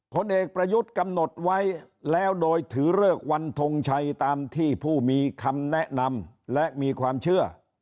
ผลเอกประยุทธ์กำหนดไว้แล้วโดยถือเลิกวันทงชัยตามที่ผู้มีคำแนะนำและมีความเชื่อ